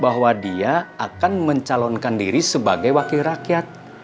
bahwa dia akan mencalonkan diri sebagai wakil rakyat